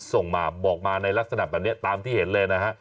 ส่งมาบอกมาในลักษณะแบบนี้ตามที่เห็นเลยนะฮะ